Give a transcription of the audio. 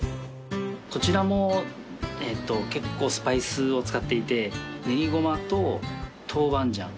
こちらも結構スパイスを使っていて練りゴマとトウバンジャン。